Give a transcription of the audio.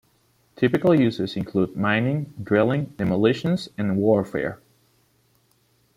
Typical uses include mining, drilling, demolitions, and warfare.